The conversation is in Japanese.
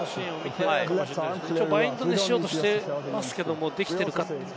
バインドにしようとしていますけれども、できているか。